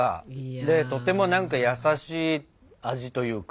でとても何か優しい味というか。